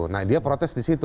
nah dia protes di situ